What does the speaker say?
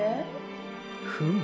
フム。